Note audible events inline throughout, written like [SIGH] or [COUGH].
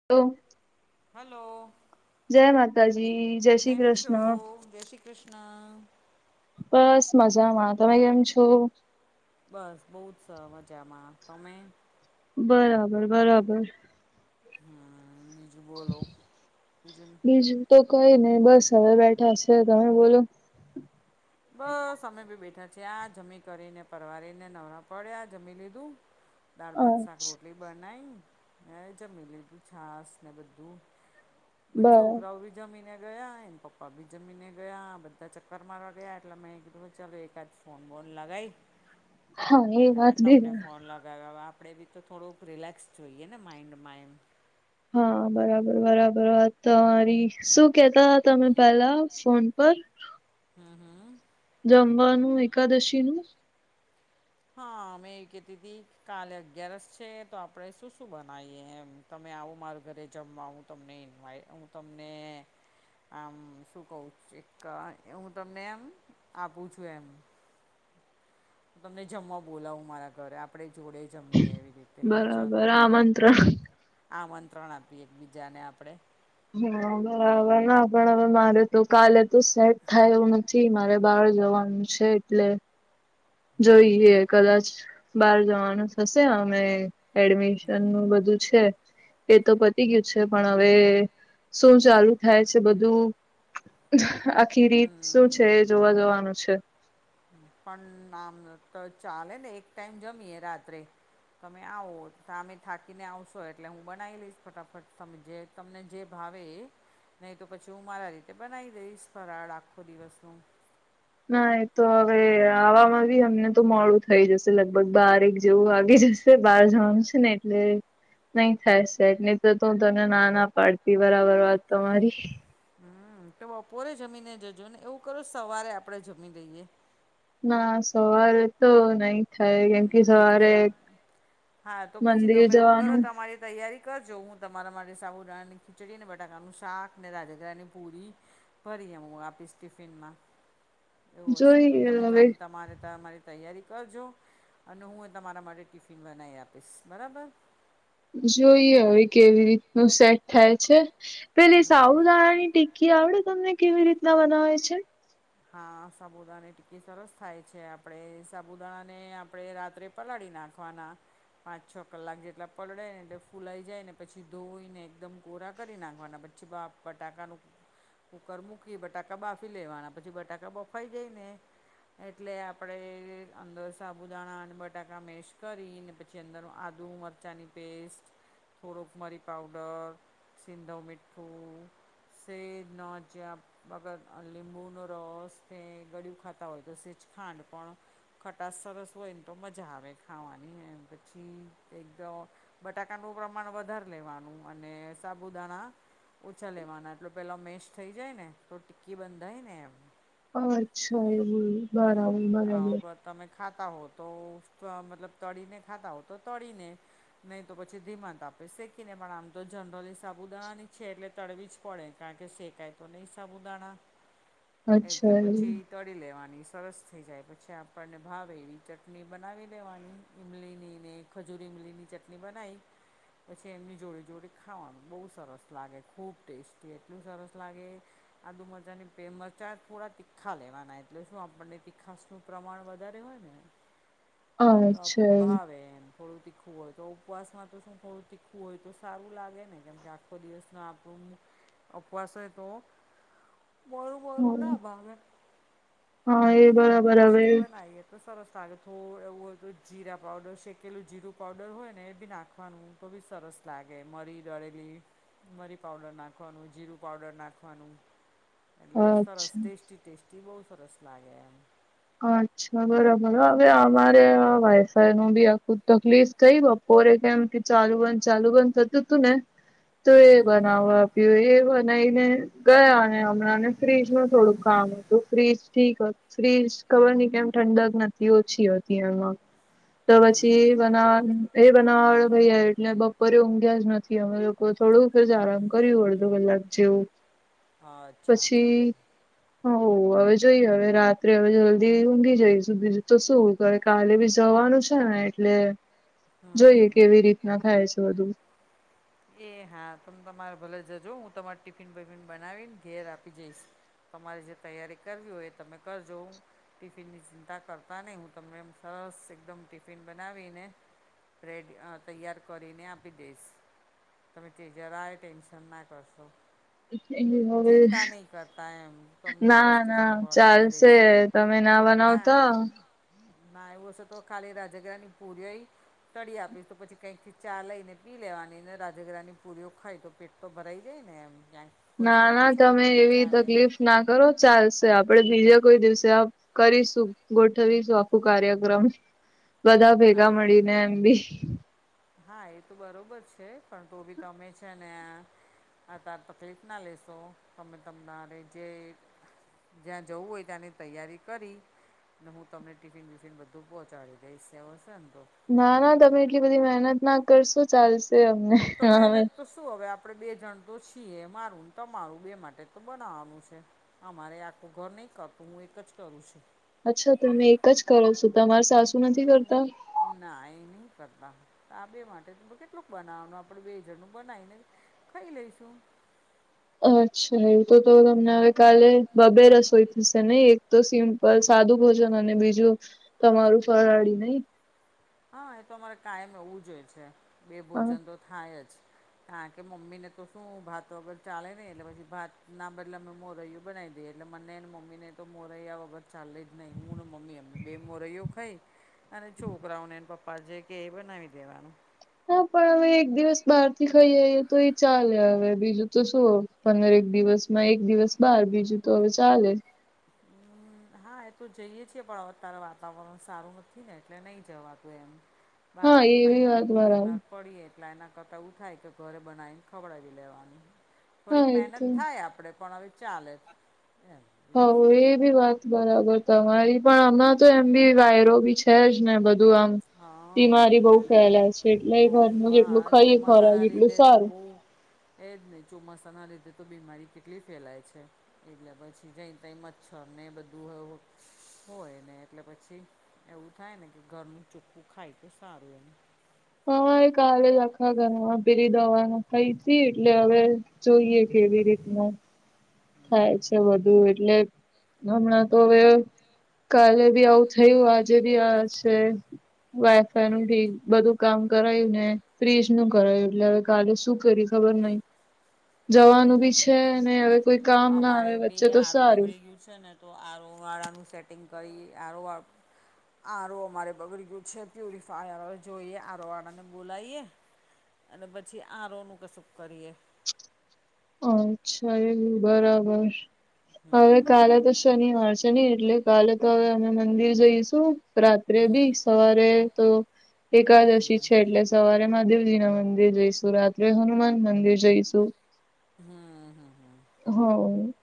[INAUDIBLE] હાલો. જય માતાજી જય શ્રી કેમ છો? કૃષ્ણ જય શ્રી કૃષ્ણ બસ મજામાં તમે કેમ છો? બસ બોવ સ મજામાં તમે? બરાબર બરાબર હમ બીજું બોલો બીજું તો કોઈ નય બસ હવે બેઠા છે, તમે બોલો? બસ અમે બી બેઠા છે, આ જમી કરીને પરવારીને નવરા પડ્યા જમી લીધું દાળ, અ ભાત, શાક, રોટલી બનાઈ મેં જમી લીધું છાસ ને બધું બરાબર છોકરાઓ બી જમીને ગયા એન પપ્પા બી જમીને ગયા બધા ચક્કર મારવા ગયા એટલા મેં કીધું ચાલો એક આદ ફોન કર લગાઈ હા એ એટલે હવે વાત બી તમને ફોન લગાવ્યા આપણે બી તો થોડુંક રિલેક્સ જોઈએ ને માઇન્ડમાં એમ હા બરાબર બરાબર વાત તમારી શું કેતા તમે પેલા ફોન પર હા હા. જમવાનું એકાદશીનું [INAUDIBLE] હા મેં કેતીતી કાલે અગિયારસ છે, તો આપણે શું શું બનાવીએ એમ તમે આવો મારું ઘરે જમવા હું તમને ઇન્વાય હું તમને આમ શું કહું એક હું તમને એમ આપું છું એમ તમને જમવા બોલાવું મારા ઘરે આપણે જોડે જમીએ એવી રીતે ચાલો બરાબર આમંત્રણ આમંત્રણ આપીએ એકબીજાને આપણે હા બરાબર પણ હવે મારે તો કાલે તો સેટ થાય એવું ન થી મારે બહાર જવાનું છે, એટલે હમ જોઈએ હમ કદાચ બહાર જવાનું થશે અને એડમિશન નું બધું છે. એ તો પતી ગયું છે, પણ હવે શું ચાલુ થાય છે, બધું આખી રીત શું હમ. છે, જોવા જવાનું છે. પણ નામ તો ચાલે ને એક ટાઈમ જમીએે રાત્રે તમે આવો તામે થાકીને આવશો એટલે હું બનાવી લઈશ ફટાફટ તમે જે તમને જે ભાવે એ નહીં તો પછી હું મારા રીતે બનાવી દઈશ ફરાળ આખો દિવસનો ના એ તો હવે આવામાં બી અમને તો મોડું થઈ જશે લગભગ બારેક જેવું આવી જશ તે બહાર જવાનું છે, ને એટલે નહી થાય છે એટકે નહી તો હું તને ના ના પાડતી બરાબર વાત તમારી. હમ તો બપોરે જમીને જજો ને એવું કરો સવારે આપણે જમી દઈએ. ના સવાર તો નહી થાય કેમ કે હમ સવારે સબ હા તો પછી મંદિર તમે એવું કરો જવાનું તમારી તૈયારી કરજો હું તમારા માટે સાબુદાણાની ખીચડી ને બટાકાનું શાક ને રાજઘની પુરી ફરી એમ હું આપીશ ટિફિનમાં એવું હશે તો જોઈ તમે હવે તમ તમારે તમારી તૈયારી કરજો અને હું એ તમારા માટે ટિફિન બનાવી આપીશ બરાબર જોઈએ હવે કેવી રીતનું સેટ થાય છે પેલે સાઉદાણાની ટીકી કે આવડે તમને કેવી રીતના બનાવે છે? હા સાબુદાણા ની ટિકી સરસ થાય છે આપણે સાબુદાણાને આપણે રાત્રે પલાળી નાખવાના. પાંચ છ કલાક જેટલા પલડે ને એટલે ફુલાઈ જાય ને પછી ધોઈ ને એકદમ કોરા કરી નાખવાના બી પછી બાપ બટાકાનું કુકર મૂકી બટાકા બાફી લેવાના. પછી બટાકા બફાઈ જાય ને એટલે આપડે અંદર સાબુદાણા અને બટાકા મિકસ કરીને પછી પી અંદરનું આદુ મરચાની પેસ્ટ થોડોક મરી પાવડર સિંધો મીઠું સેજ ન જેગર લીંબુ ન રસ તે ગળિયું ખાતા હોય તો સેજ ખાંડ પણ ખટાસ સરસ હોય ને તો મજા આવે ખાવાની એમ પછી એકદમ બટાકાનું પ્રમાણ વધારે લેવાનું અને સાબુદાણા ઓછા લેવાના એટલ પેલા મેશ થઈ જાય ને તો ટિક્કી બંધાય ને એમ. અચ્છા એવુ બરાબર હમ આ બરાબર ગ- તમે ખાતા હો તો મતલબ તળીને ખાતા હો તો તળીને નહી તો પછી ધીમાં તાપે શેકી ને પણ આમ તો જનરલી સાબુદાની છે એટલે તળવી જ પળે કારણ કે શેકાય તો નહીં સાબુદાણા એટલે અચ્છા પછી એવું. તળી લેવાની સરસ થઈ જાય પછી આપણને ભાવે એવી ચટણી બનાવી લેવાની ઇમલીની ને ખજૂરી લીલીની ચટણી બનાવી. પછી એમની જોડી જોડી ખાવાનું બહુ સરસ લાગે, ખૂબ ટેસ્ટી એટલું સરસ લાગે. આદુ મરચાં ની ફેમસ ચાર થોડા તીખા લેવાના એટલે શું આપણને તીખાસનું પ્રમાણ વધારે હોય ને તો અચ્છા ભાવે એમ. થોડું તીખું હોય તો ઉપવાસમાં તો શું થોડું તીખું હોય તો સારું લાગે ને કેમકે, આખો દિવસનો આપણું અપવાસ તો મોરું મોરું ના એવું ભાવે. હા એ એટલું થોડુંક બરાબર હવે ટેસ્ટી બનાએ. તો સરસ લાગે થોડું એવું હોય તો જીરા પાવડર શેકેલું જીરું પાવડર હોય ને એ બી નાખવાનું, તો ભી સરસ લાગે મરી ડળેલી. મરી પાવડર નાખવાનું, જીરું પાવડર નાખવાનું, એટલે સરસ અચ્છા ટેસ્ટી ટેસ્ટી બહુ સરસ લાગે એમ. અચ્છા બરાબર હવે અમારે આ વાયફાઈ નું બી આખું તકલીફ કંઈ બાપરે કોરે કેમ કે, ચાલુ બંધ ચાલુ બંધ થતું હતું ને તો એ હમ બનાવવા આપ્યો, એ બનાવીને. ગયા ને હમણાં ફ્રીજ નું થોડુંક કામ હતું, ફ્રીજ ઠીક હતું ફ્રીજ ખબર નહીં કે એમ ઠંડક નથી, ઓછી હોતી એમાં તો હમ પછી એ હમ બનાવું એ બનાવાળો ભાઈયા એટલે બપોરે ઊંઘ્યા જ નથી અમે લોકો થોડું આરામ કર. કર્યું અડધો હમ કલાક જેવું અચ્છા અચ્છા એવું પછી હવ હવે જોઈએ હવે રાત્રે હવે જ ઊંઘી જઈ સુધી તો શું ક કાલે બી જવાનું છે, ને એટલે હમ જોઈએ કેવી રીતના થાય છે, બધું એ હા તમે તમારે ભલે જજો, હું તમારે ટિફિન, બિફિન બનાવીને ઘેર આપી જઈશ. તમારે જે તૈયારી કરવી હોય, એ તમે કરજો હું. ટિફિન ની ચિંતા કરતા નહી, હું તમને સરસ એકદમ ટિફિન બનાવીને. સ્પ્રેડ તૈયાર કરીને આપી દઈશ. તમે અત્યારે જરાય ટેન્શન ના કરશો. એ હવે ચિંતા નહીં કરતા એમ તમને ના સરસ ના ટિફિન પહોંચાડી ચાલશે. દઈશ તમે ના બનાવતા. ના એવું હસે તો કાલે રાજગરાની પૂરી આઈ કરી આપીશું તો પછી કંઈક થી ચા લઈ ને પી લેવાનીને રા ઝઘડાની પુરીઓ ખાય તો પેટ તો ભરાઈ જાય ને એમ ક્યાંય. ના ના તમે એવી તકલીફ ના કરો, ચાલશે આપડે બીજા કોઈ દિવસે. કરીશું ગોઠવીશું આખું કાર્યક્રમ બધા ના ભેગા મળીને એમ ભી. હા એ તો બરોબર છે, પણ તો ભી ગમે છે. ને આ તાર તકલીફ ના લેશો તમે તમને રેજે. જ્યાં જવું હોય ત્યાંની તૈયારી કરી. ને હું તમને ટિફિન વિફિન બધું પહોંચાડી દઈશ, એ હશે નેતો ના, ના તમે એટલી બધી મહેનત ના કરશો ચાલશે, અમને તો હવે મહેનત, તો શું હવે આપણેે બે જણ તો છીએ મારું તમારું બે માટે તો બનાવાનું છે. અમારે આખું ઘર નહીં કરતું હું એક જ કરું છું, અચ્છા તમે એક જ કરો છો, તમાર સાસુ નથી હમ કરતા. ના એ નહીં કરતા આ બે માટે કેટલુંક બનાવાનું. આપણે બેઝણનું બનાવીને ખાઈ લઈશું. અચ્છા એવું તો તો તમને હવે કાલે બબે રસોઈ થશે, નઇ એક તો સેમ. પણ સાદું ભોજન અને બીજું તમારું ફરાળી નહીં. હા એ તો અમારે કાયમ એવું જ હોય છે, બે હા ભોજન તો થાય જ. કારાણ કે મમ્મી ને તો શું ભાત વગર ચાલે ને એટલે પછી ભાત ના બદલે મે મો રહ્યું બનાવી દે એટલે મનેને મમ્મી ને તો મોરૈયા વગર ચાલે જ નહીં હું ને મમ્મી અમને બે મોરૈયો ખાઈ અને છોકરાઓનેને પપા જે કે એ બનાવી દેવાનું હા પણ હવે એક દિવસ બહાર થી ખાઈ આવીઈએ તો એ ચાલે હવે બીજું તો શું પંદર એક દિવસમાં એક દિવસ બાર બીજું તો હવે ચાલે હમ હા એ તો જઈએે છેીએ પણ અતારે વાતાવરણ સારું નથી ને એટલે નહી જવાતું એમ બ હા અમુક એવી ખવાાઈને વાત ફોટો બરાબર બીમાર પડીએ એટલે એના કરતા ઉ થાય કે ઘરે બનાવીને ખવડાવી લેવાની હા થોડીક એ મહેનત તો થાય આપણે પણ હવે ચાલે એમ બીજું હવ શું એ ભ વા બરાબર તમારી પણ હમણાં તો એમ બી વાયરો બી છે જ ને બધું આમ હા બીમારી બહુ ફેલા છે એટલે એ બહુ ઘરનું જેટલું હા ખાઈ ખોરાક ચોમાસાના એટલું લીધે તો સારું બહુ એ જ નહીં ચોમાસાના લીધે તો બીમારી કેટલી ફેલાય છે એટલે પછી જઈ તઈ મચ્છર ને બધું હોય ને એટલે પછી એવું થાય ને કે ઘરનું ચુપ્પું ખાય તો સારું એમ હરે કાલે જ આખા ઘરમાં પેલી દવા ના ખાઈ હતી એટલે હવે જોઈએ કેવી રીતનું થાય છે વધુ એટલે હમણાં તો હવે કાલે બી આવું થયું આજે બી આશે વાયફાઈ નું ઠીક બધું કામ કરાયું ને ફ્રીજ નું કરાયું એટલે હવે કાલે શું કરી ખબર નહી [INAUDIBLE] જવાનું બી છે ને હવે કોઈ કામ ના અમારે આવે વચ્ચે બી તો આરોું સારું બગડી ગયું છે ને તો આરોવાળાનું સેટિંગ કરી આરો આ રો અમારે બગડી ગયું છે પ્યુરિફાયરવે જોઈએ આ રો આળાને બોલાવીએ. અને પછી આ રોનું કશું કરીએ. અચ્છા એમ બરાબર હવે કાલે હમ તો શનિવાર છે ને એટલે કાલે તો હવે અમે મંદિર જઈશું રાત્રે બી સવારે તો એકાદશી છે એટલે સરે મહાદેવજી ના મંદિર જઈશું રાત્રે હનુમાન મંદિર જઈશું હમ હમ. હ.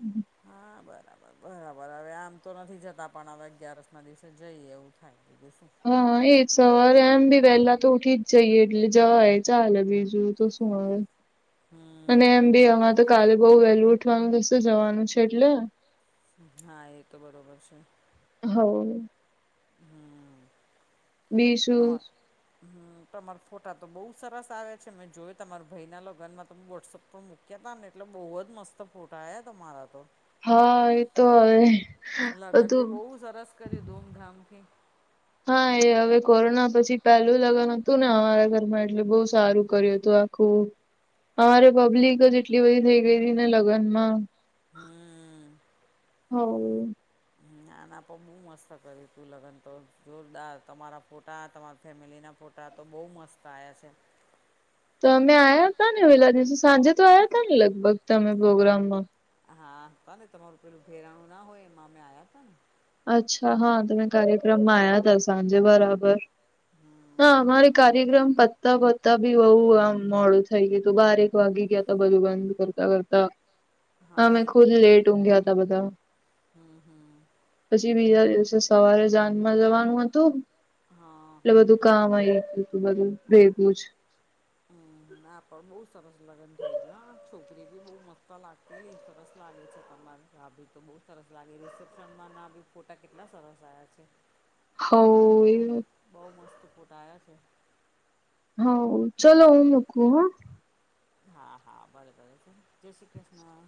હમ હા બરાબર બરાબર હવે આમ તો નથી જતા પણ હવે અગિયારસ ના દિવસે જઈએ એવું થાય. [UNINTELLIGIBLE] હા એજ સવારે એમ ભી પેલા તો ઉઠી જ જઈએ એટલે જય ચાલે બીજું તો શું હવે. હમ અને એમ બી હમાં તો કાલે બઉ વહેલું ઉઠવાનું થશે જવાનું છે એટલે. હા એ તો બરોબર છે. હ. હમ. બીજું સમસ. હ તમારા ફોટા તો બહુ સરસ આવે છે મેં જોય તમારા ભાઈના લગનમાં તો વોટ્સઅપ પણ મૂક્યા ત ને એટલે બહુ જ મસ્ત ફોટા આવ્યા તમારા તો. હા એ તો હવે લગ્ન ભી બધું બહુ સરસ કર્યું ધૂમધામથી. હા એ હવે કોરોના પછી પહેલું લગ્ન હતું ને અમારા ઘરમાં એટલે બહુ સારું કર્યું હતું આ. અરે પબ્લિક જ એટલી બધી થઈ ગઈ હતી ને લગ્નમાં. હમ. હ. હ નાના પર હું મસ્ત કર તું લગ્ન તો જોરદાર તમારા ફોટા તમારા ફેમિલી ના ફોટા કપરા તો બહુ મસ્ત આવ્યા છે. તો અમે આયા હતા ને વેલા દિવસે સાંજે તો આયા હતા ને લગભગ તમે પ્રોગ્રામમાં. હા તા ને તમારું પેલું ભેરાણું ના હોય એમાં અમે આવ્યા હતા ને. અચ્છા હા તમે કાર્યક્રમમાં આવ્યા હતા સાંજે બરાબર. હા હમ અમારે કાર્યક્રમ તા પતા બી બહુ આમ મોડું થઈ ગયું તું બારેક વાગી ગયા તો બધું બંધ કરતા કરતા. હા મેં એ તો ખુદ લેટ ઊંઘ્યા હતા બધા. હમ હ. પછી બીજા દિવસે સવારે જાનમાં જવાનું હતું. હા એટલે હા બધું કામયું હતું બધું ભેગું જ. હમ. ના પણ બહુ સરસ લગ્ન થઈ ગયું હા છોકરી બી બહુ મસ્તા લાગતી સરસ લાગે છે તમારે બી તો બહુ સરસ લાગી રિસેપ્શનમાં ના બી ફોટા કેટલા સરસ આવ્યા છે. હઉ તમારા તો એ બઉુ મસ્ત ફોટા આવ્યા છે. હ ચલો હું મુકુ હો. હા હા બરાબર છે જય શ્રી કૃષ્ણ.